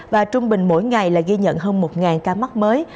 và trung bình mỗi ngày là ghi nhận hơn một ca mắc mới